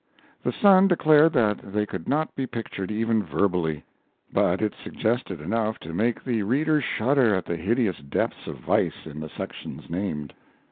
The Sun declared that they could not be pictured even verbally. But it suggested enough to make the reader shudder at the hideous depths of vice in the sections named.